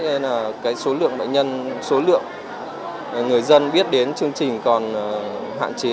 nên là cái số lượng bệnh nhân số lượng người dân biết đến chương trình còn hạn chế